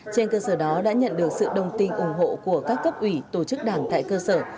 trên cơ sở đó đã nhận được sự đồng tình ủng hộ của các cấp ủy tổ chức đảng tại cơ sở